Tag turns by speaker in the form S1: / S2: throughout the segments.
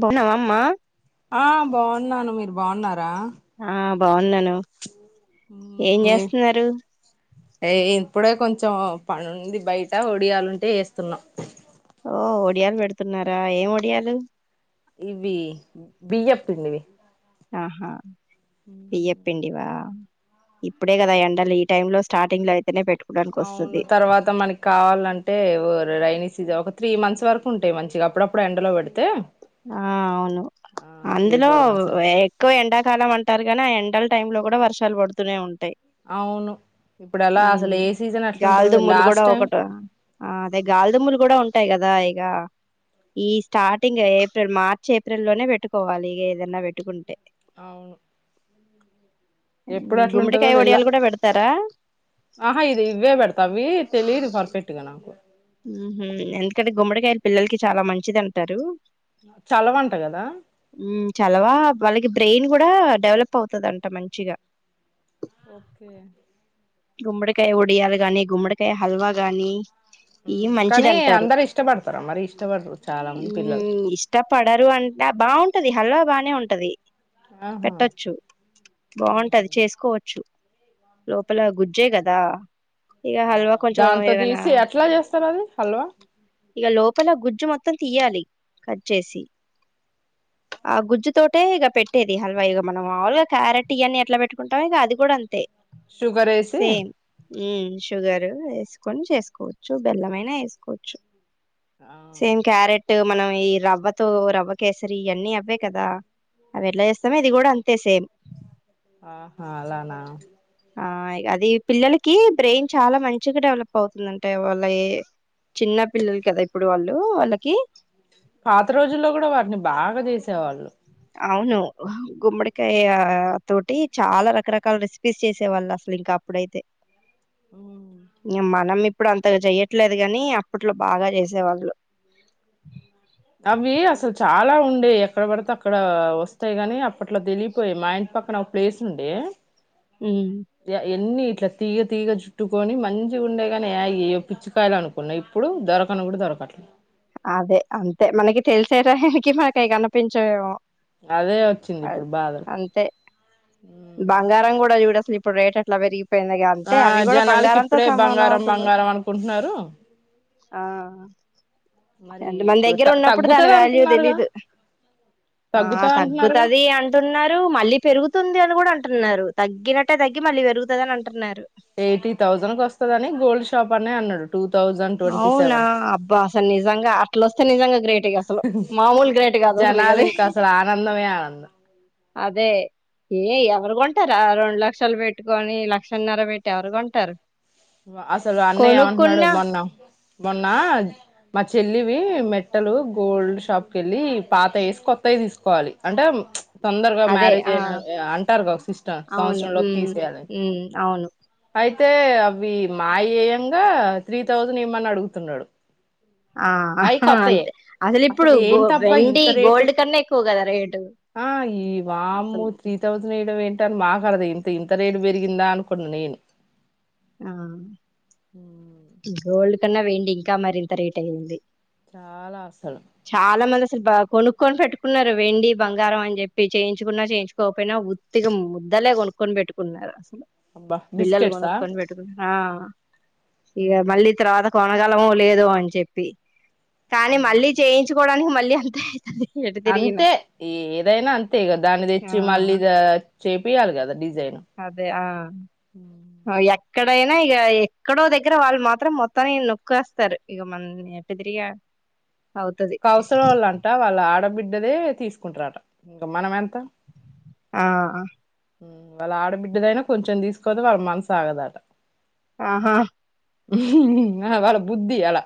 S1: బావున్నావమ్మ
S2: ఆ బాగున్నాను మీరు బాగున్నారా
S1: ఆ బాగున్నాను ఏం
S2: మ్మ్ ఏ
S1: జేస్తున్నారు
S2: ఏ ఇప్పుడే కొంచెం పనుంది బయట ఒడియాలుంటే వేస్తున్నాం
S1: ఓ ఒడియాలు పెడుతున్నారా ఏం ఒడియాలు
S2: ఇవి బియ్యపిండివి
S1: ఆహా బియ్యప్పిండివా ఇప్పుడే కదా ఎండల్ ఈ టైమ్ లో స్టార్టింగ్ లో అ
S2: అవును తర్వాత మనకి కావాలంటే రైైని సీజన్ ఒక త్రీ మంత్స్ వరకు ఉంటాయి మంచిగా అడప్పుడు ఎండలో పెడితే
S1: ఆ అవును
S2: ఆ త్రీ
S1: అందులో
S2: ఫోర్ మంత్స్ వరకు.
S1: ఎక్కువ ఎండాకాలం అంటారు గానీ ఆ ఎండల టై లో కూడా వర్షాలు పడుతునే ఉంట
S2: అవును ఇప్పుడు అలా అసలు ఏ సీజన్ అట్లుంటుందో
S1: గాలిదుుమ్ములు కూడా
S2: లాస్ట్ టైం
S1: ఒకటి అదే గాలిదుమ్ములు కూడా ఉంటాయి కదా ఇక ఈ స్టార్టింగ్ ఏప్రిల్ మార్చ్ ఏప్రిల్లోనే పెట్టుకోవాలి ఏదన్నా పెట్టుకుంటే
S2: అవును ఎప్పుడు
S1: ఉమ్,
S2: అట్లుంటందో
S1: గుమ్మడికాయ
S2: తెల్ల
S1: ఒడియాలు కూడా పెడతారా
S2: ఆహా ఇది ఇవ్వే పెడతా అవ్వి తెలియదు పర్ఫెక్ట్గానా
S1: ఉ హు ఎందుకంటే గుమ్మడికాయలు పిల్లలకి చాలా మంచిది అంటారు
S2: చలవంట కదా
S1: ఉ చలవా వాళ్ళకి బ్రెయిన్ కూడా డెవలప్ అవుతుదంట మంచిగా
S2: ఓకే
S1: గుమ్మడికాయ ఒడియలు గానీ గుమ్మడికాయ హల్వా గానీ ఈ
S2: మ్మ్
S1: మంచిది
S2: కానీ
S1: అంటారు
S2: అందరు ఇష్టపడతారా మరి ఇష్టపడరు చాలా
S1: ఉ
S2: మంది పిల్లలు
S1: ఇష్టపడరు అంట బాగుంటది హలో బానే ఉంటది
S2: ఆహా
S1: పెట్టచ్చు
S2: ఊహూ
S1: బాగుంటది చేసుకోవచ్చు లో పపల గుజ్జే కదా
S2: ఆ
S1: హల్వా కొంచెం
S2: దాంతో
S1: ఏమైనా
S2: తీసి ఎట్లా చేస్తారు అది హల్వా
S1: ఇక లోపల గుజ్జు మొత్తం తీయాలి కట్ చేసి ఆ గుజ్జు తోటె ఇక పెట్టేది హల్వా ఇక మనం మావులుగా క్యారెట్ ఇవన్న ఎట్లా పెట్టుకుంటామ ఇక అది కూడా అంతే
S2: షుగర్ వేసి
S1: ఉ షుగర్ వేసుకొని చేసుకోవచ్చు బెల్లమైన వేసుకోవచ్చు
S2: ఆ
S1: సేమ్ క్యారెట్ మనం ఈ రవ్వతో రవ్వ కేసరి ఇయన్నీ అవే కదా అవి ఎట్లా చేస్తామో ఇది కూడా అంతే సేమ్
S2: ఆహా అలానా
S1: ఆ అది పిల్లలకి బ్రెయిన్ చాలా మంచిగా డెవలప్ అవుతుంది అంటే వాళ్ళ ఏ చిన్న పిల్లలు కదా ఇప్పుడు వాళ్ళు వాళ్ళకి
S2: పాత రోజుల్లో కూడా వాటిని బాగా చేసేవాళ్ళు
S1: అవును గుమ్మడికాయ తోటి చాలా రకరకాల రెసిపీస్ చేసేవాళ్ళు అసలు ఇంకా అప్పుడైతే
S2: ఉమ్.
S1: ఇ మన మీ ఇప్పుడు అంతగా చెయ్యట్లేదు కానీ అప్పట్లో బాగా చేసేవాళ్ళు
S2: అవి అసలు చాలా ఉండే ఎక్కడ పడితే అక్కడ వస్తాయి కాని అప్పట్లో తెలియపోయి మా ఇంటి పక్కన ఒక ప్లేస్ ఉండే
S1: ఉ
S2: అన్ని ఇట్లా తీగ తీగ చుట్టుకొని మంచిగా ఉండేగాని యాగయ్య పిచ్చికయలు అనుకున్నా ఇప్పుడు దొరకన కూడా దొరకట్లేదు
S1: అదే అంతే మనకి తెలిసే రానికి మనకివి కనిపించో
S2: అదే వచ్చింది ఇప్పుడు బాధలు
S1: అంతే బంగారం కూడా చూడు ఇప్పుడు రేట్ ఎట్లా పెరిగింది.
S2: ఆ జనాలకి ఇప్పుడే బంగారం
S1: అసలు
S2: బంగారం అనుకుంటున్నారు.
S1: ఆ
S2: మరి
S1: ఎంత మన
S2: ఇప్పుడు
S1: దగ్గర
S2: త
S1: ఉన్నప్పుడు దాని
S2: తగ్గుతది
S1: వాల్యూ
S2: అంటున్నారుగా
S1: తెలీద, ఆ
S2: తగ్గుతా అంటున్నారుగా
S1: తగ్గుతాది అంటు అన్నారు. మళ్ళీ పెరుగుతుంది అని కూడా అంటున్నారు. తగ్గినట్టే తగ్గి మళ్ళ పెరుగుతుంది అని అంటున్నారు.
S2: ఎయిటీ థౌజండ్ క వస్తుందిని గోల్డ్ షాప్ అనే అన్నాడు. టూ థౌజండ్ ట్వంటీ
S1: అవునా!
S2: సెవెన్ కి
S1: అబ్బా అసలు నిజంగా అట్లొస్తే, నిజంగా గ్రేట్గా. అసలు మామూలు గ్రేట్ కాదు అసలు కది.
S2: అ [inaudible]
S1: అదే, ఏ ఎవరు కొంటారు? ఆ రెండు లక్షలు పెట్టుకొని, లక్షన్నర పెట్టి ఎవరు కొంటారు?.
S2: అసలు అన్నయ్య యేమంటున్నాడు?
S1: కొనుక్కున్నా
S2: మొన్న మొన్న మా చెల్లి. మెట్టలు గోల్డ్ షాప్ క వెళ్ళి, పాత వేసి కొత్తవి తీసుకోవాలి అంటే. తొందరగా
S1: అదే
S2: మ్యారేజ్
S1: ఆ
S2: అయిన అంటారుగా ఒక సిస్టర్
S1: అవును
S2: సంవత్సరం లోకి
S1: ఉమ్
S2: తీసేయాలని
S1: ఉమ్ అవును
S2: అయితే. తే ప్ వి మాఈయంగా త్రీ థౌజండ్ ఇవ్వమని అడుగుతున్నాడు.
S1: ఆ అహ్
S2: అయి కొత్తయే
S1: అంతే అసలు ఇప్పుడు గో
S2: ఏంటబ్బా
S1: వెండి
S2: ఇంత రేటు
S1: గోల్డ్ కన్నా ఎక్కువ కదా రేటు
S2: ఆ
S1: అసలు.
S2: అవి ఏంటని మాగర్ద్ ఇంత ఇంత రేటు పెరిగిందా అనుకున్న నేను.
S1: హ్మ్
S2: ఉమ్,
S1: గోల్డ్. ఎ కన్నా వెేండి ఇంకా మరింత రేట్ అయ్యింది.
S2: చాలా అసలు.
S1: బాగా కొనుక్కొని పెట్టుకున్నారు. వెండి, బంగారం అని చెప్పి చేయించుకున్నా చేయించుకోకపోయినా ఉత్తిగా ముద్దలే కొనుక్కొని పెట్టుకున్నారు. అసలు
S2: అబ్బా
S1: బిల్లలు
S2: బిస్కెట్సా.
S1: కొనుక్కొని ఆ ఇక
S2: ఉమ్,
S1: మళ్ళీ తరవాత, కొనగలము లేదు అని చెప్పి. కానీ, మళ్ళీ
S2: ఉమ్.
S1: చేయించుకోవడానికి మళ్ళీ... ఎంతెహి.
S2: అంతే! ఏదైనా అంతే కదా దాన్ని తెచ్చి
S1: ఆ
S2: మళ్ళీద చేపియాలి కదా డిజైన్?
S1: అదే ఆ. ఉ ఎక్కడైనా ఇక ఎక్కడో దగ్గర వాళ్ళు మాత్రం మొత్తాన్ని నొక్కేస్తారు. ఇక మన్ ఎటుదతిరిగి
S2: కౌసల వాళ్లు అంట వాళ్ళ ఆడబి బిడ్డదే తీసుకుంటారట. ఇంకా మనం ఎంత?
S1: ఆ
S2: వాళ్ళ ఆడబిడ్డదైనా కొంచెం తీసుకోందే వాళ్ళ మనసు ఆగదట.
S1: ఆహా!
S2: హ్మ్ హూ వాళ్ళ బుద్ధి అలా.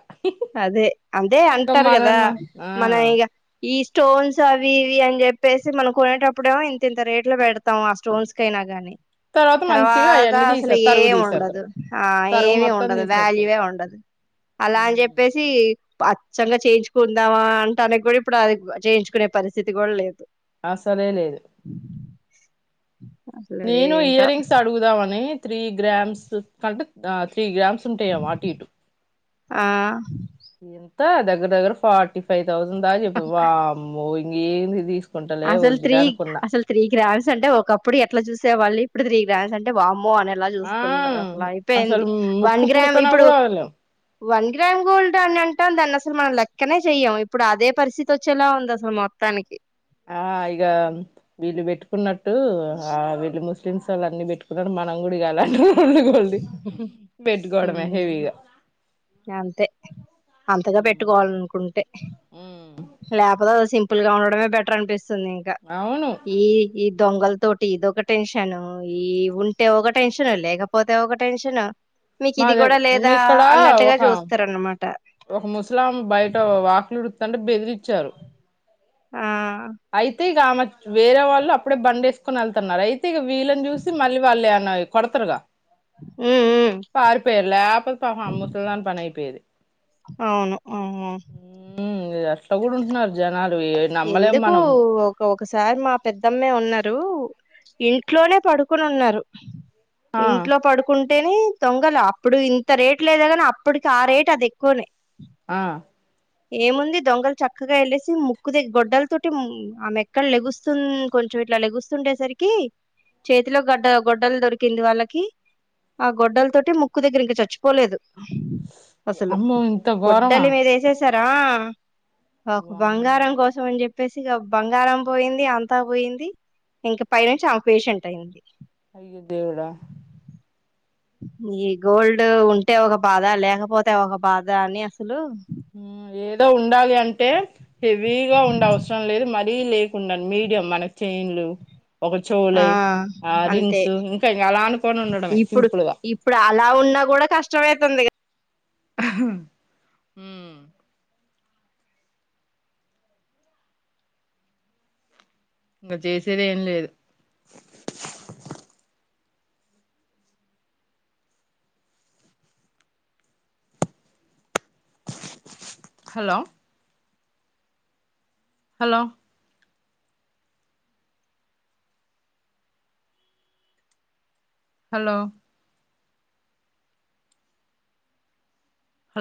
S1: అదే అదే
S2: ఇంకా
S1: అంటారు కదా
S2: మనమ ఆ
S1: మన ఇక ఈ స్టోన్స్ అవి ఇవి అని చెప్పేసి మనం కొనేటప్పుడేమో ఇంత ఇంత రేట్ లో పెడతాం ఆ స్టోన్స్ కైనా గాని
S2: తర్వాత మంచిగా
S1: తర్వాత
S2: అవన్నీ
S1: అసలు
S2: తీసే తరుగు
S1: ఏమి
S2: తీసేస్తారు
S1: ఉండదు ఆ
S2: తరుగు
S1: ఏమి
S2: మొత్తం
S1: ఉండదు
S2: తీసేస్తారు
S1: వాల్యువే ఉండదు అలా అని చెప్ప అచ్చంగా చేయించుకుందామా అంట అనే కూడా ఇప్పుడు అది చేయించుకునే పరిస్థితి కూడా లేదు
S2: అసలు లేదు
S1: అసలు
S2: నేను ఇయర్
S1: ఏంటో
S2: రింగ్స్ అడుగుదామని త్రీ గ్రామ్స్ కంటే త్రీ గ్రామ్స్ సంటయా అటు ఇటు
S1: ఆ
S2: ఎంత దగ్గర దగ్గర ఫార్టీ ఫైవ్ స్తుందప్ప మో ఏది ఇది
S1: అసలు తరి అసలు త్రక రాం అంటే ఒకప్పుడు ఎట్లా చూసేవాళ్ళు ఇప్పుడు త్రీ గ్రామ్స్ అంటే బా అనిలా
S2: ఆ
S1: చూస్తున్నారు అట్లా అయిపోయింది
S2: అసలు
S1: వన్
S2: ముక్కు
S1: గ్రామ్
S2: పుడకన
S1: ఇప్పుడు
S2: కూడా వదలం
S1: వన్ గ్రామ్ గోల్డ్ అని అే అంట ఉందంన్నఅసలు మనం లెక్కనే చెయము ఇప్పుడు అదే పరిస్థితి వచ్చేలా ఉంది అసలు మొత్తానికి
S2: ఆ ఇగ వీళ్ళ పెట్టుకున్నట్టు ఆ వెళ్ళ ము పలిన్స్లు అన్నిీ పెట్టుకున్నాడు మనం కూడా పెట్టుకోవాలా హెవీగా
S1: అంతే అంతగా
S2: మ్మ్
S1: పెట్టుకోవాలనుకుంటే లేపోతే వ సింపుల్గా ఉండడే బటర్ అనిపిస్తుంది సునేంగా
S2: అవును
S1: ఈ ఇ దొంగల తోటి ఇదొక టెన్షన్ ఈ ఉంటే ఒక టెన్షన్ లేక పోతే ఒక టెన్షన్
S2: మా దగ
S1: లేదా
S2: ఇక్కడ
S1: అన్నట్టుగా
S2: ఒక
S1: చూస్తారనమాట
S2: ఒక ముస్లాం బయట వాకులుడు తంట్రి బెదిరిచ్చారు
S1: ఆ
S2: అయితే ఆమె వేరే వాళ్ళు అప్పుడే బం వేసుకొని వెళ్తున్నారు అయితే వీళని చూసి మళ్ళీ వాళ్ళు అన్న కొడతారు గా
S1: హ్మ్. హ్మ్.
S2: పాారిపోయర్లే అప్పుడు పా అమ్మసలుదా పనయిపోయది
S1: అవును. అవును.
S2: అ అట్లా కూడా ఉంటున్నారు జనాలు నమ్మలేం మనం
S1: ఓఓకఓకే ఒకసారి మా పెద్దమ్మే ఉన్నారు ఇంట్లోనే పడుకొని ఉన్నారు
S2: ఆ
S1: ఇంట్లో పడుకుం అంటేనే తొంగలు అప్పుడు ఇంత రేట్ లేదు కానీ అప్పటికి ఆ రేట్ అది ఎక్కువనే
S2: ఆ
S1: ఏముంది దొంగలు చక్కగా వెళ్ళేసి ముక్కు దగ గొడ్డల తటి ఆమె ఎక్కలు లెగుస్తుంది కొంచెం ఇట్లా లెగుస్తుండేసరికి చేతిలో గడ్డ గొడ్డలు దొరికింది వాళ్ళకి ఆ గొడ్డలతోటి ముక్కు దగ్గర ఇంక చచ్చిపోలేదు అసలు
S2: అమ్మో ఇంత ఘోరమా
S1: గోడ్డలి మీద వేసే సారా పాపం
S2: వామ్మో
S1: బంగారం కోసం ఆన్ చెప్ చెప్పేసి ఇంకా బంగారం పోయింది అంతా పోయింది ఇంకా పై నుంచి చావు పేషెంట్ అయింది
S2: అయ్యో దేవుడా
S1: ఈ గోల్డ్ ఉంటే ఒక బాధ లేకపోతే ఒక బాధ అని అసలు
S2: ఉమ్ ఏదో ఉ ఉండాలి అంటే హెవీగా ఉండే అవసరం లేదు మ వి లేకుండా మీడియం మన చైన్లు ఒక
S1: ఆ
S2: చూళై ఆ
S1: అంతే
S2: రింగ్స్ ఇంకా అలా అనుకోని ఉండడమే
S1: ఇప్పుడు
S2: సింపుల్గా
S1: ఇప్పుడు అలా ఉన్నా కూడా కష్టం అవుతుంది
S2: హహ ఉమ్ ఇంకా చేసేదే ఏం లేదు హలో హలో హలో హలో